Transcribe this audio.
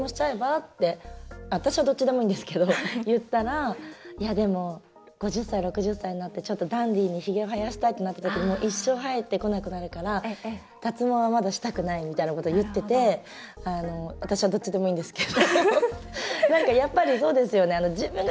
って私はどっちでもいいんですけど言ったらいや、でも５０歳６０歳になってちょっとダンディーにひげ生やしたいってなったら一生、生えてこなくなるから脱毛はまだしたくないって言ってて私はどっちでもいいんですけど。